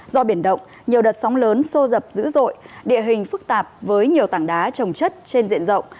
do biển động nhiều đợt sóng lớn xô dập dữ dội địa hình phức tạp với nhiều tảng đá trồng chất trên diện rộng